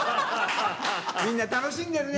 みんな楽しんでるね。